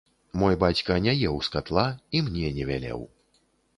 Мой бацька не еў з катла і мне не вялеў.